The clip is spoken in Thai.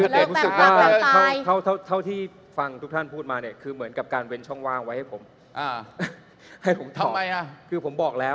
เห็นว่าแล้วแต่ฟังทุกท่านพูดมาซึ่งเหมือนกับกันเว้นช่องวางไว้ให้ผม